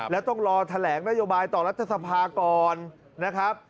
และต้องรอแถลงนโยบายต่อรัฐสภาคมก่อน